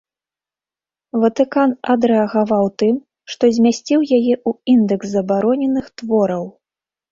Ватыкан адрэагаваў тым, што змясціў яе ў індэкс забароненых твораў.